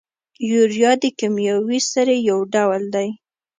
یوریا د کیمیاوي سرې یو ډول دی.